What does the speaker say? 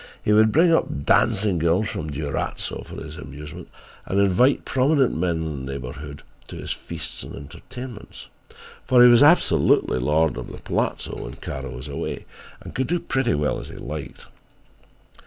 He would bring up dancing girls from Durazzo for his amusement and invite prominent men in the neighbourhood to his feasts and entertainments, for he was absolutely lord of the palazzo when Kara was away and could do pretty well as he liked.